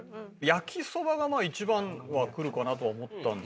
焼きそばが一番はくるかなと思ったんですよ。